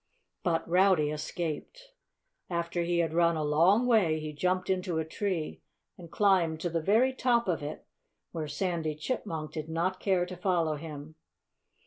But Rowdy escaped. After he had run a long way he jumped into a tree and climbed to the very top of it, where Sandy Chipmunk did not care to follow him.